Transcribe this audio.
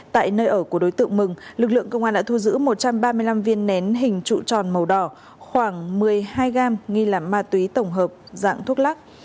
tại nơi ở của đối tượng mừng lực lượng công an đã thu giữ một trăm ba mươi năm viên nén hình trụ tròn màu đỏ khoảng một mươi hai gam nghi là ma túy tổng hợp dạng thuốc lắc